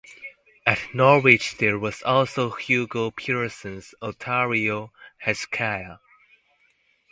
At Norwich there was also Hugo Pierson's oratorio Hezekiah.